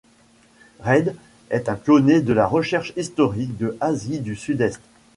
Reid est un pionnier de la recherche historique de Asie du Sud-Est.